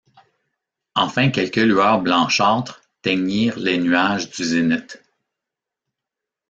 Enfin quelques lueurs blanchâtres teignirent les nuages du zénith.